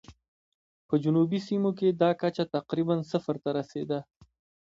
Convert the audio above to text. په جنوبي سیمو کې دا کچه تقریباً صفر ته رسېده.